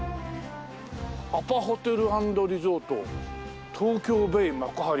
「アパホテル＆リゾート東京ベイ幕張」